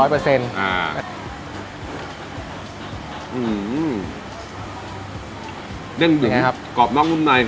เน่นหยุ่นกรอบนอกนุ่มใน